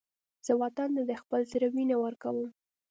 زه وطن ته د خپل زړه وینه ورکوم